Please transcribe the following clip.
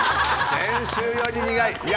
先週より苦い。